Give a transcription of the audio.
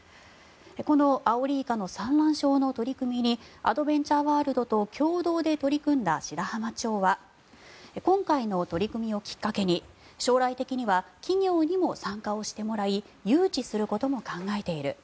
このアオリイカの産卵床の取り組みにアドベンチャーワールドと共同で取り組んだ白浜町は今回の取り組みをきっかけに将来的には企業にも参加をしてもらい誘致することも考えている。